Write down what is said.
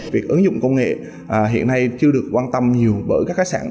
việc ứng dụng công nghệ hiện nay chưa được quan tâm nhiều bởi các khách sạn